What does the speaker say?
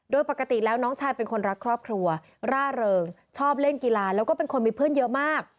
โดยปกติแล้วน้องชายเป็นคนรักครอบครัวร่าเริงชอบเล่นกีฬาแล้วก็เป็นคนมีเพื่อนเยอะมาก